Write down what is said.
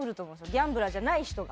ギャンブラーじゃない人が。